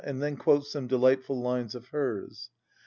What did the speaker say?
and then quotes some delightful lines of hers.